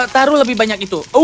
taruh lebih banyak itu